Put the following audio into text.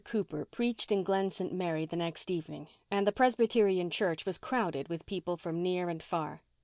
Cooper preached in Glen St. Mary the next evening and the Presbyterian Church was crowded with people from near and far.